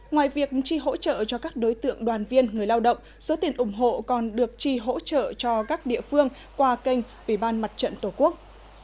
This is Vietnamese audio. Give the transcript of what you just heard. ngoài việc chi hỗ trợ cho các đối tượng đoàn viên người lao động số tiền ủng hộ còn được chi hỗ trợ cho các địa phương qua kênh ủy ban mặt trận tổ quốc